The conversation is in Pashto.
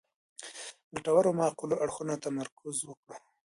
ګټورو معقولو اړخونو تمرکز وکړو.